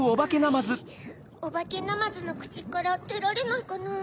オバケナマズのくちからでられないかな？